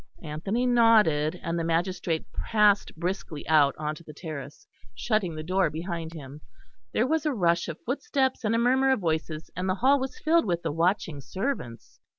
Anthony nodded, and the magistrate passed briskly out on to the terrace, shutting the door behind him; there was a rush of footsteps and a murmur of voices and the hall was filled with the watching servants.